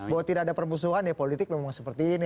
bahwa tidak ada permusuhan ya politik memang seperti ini